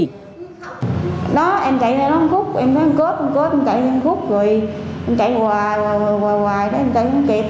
rồi em chạy hoài hoài hoài hoài hoài em chạy không kịp